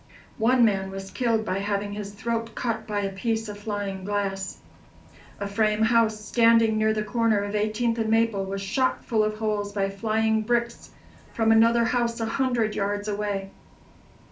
One man was killed by having his throat cut by a piece of flying glass. A frame house, standing near the corner of Eighteenth and Maple, was shot full of holes by flying bricks from another house a hundred yards away.